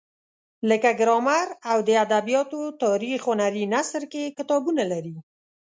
لکه ګرامر او د ادبیاتو تاریخ هنري نثر کې کتابونه لري.